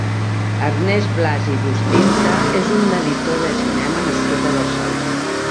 Ernest Blasi i Bustinza és un editor de cinema nascut a Barcelona.